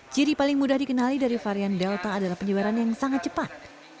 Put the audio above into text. ciri paling mudah dikenali dari varian delta adalah penyebaran yang sangat cepat